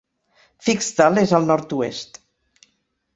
Fiksdal és al nord-oest.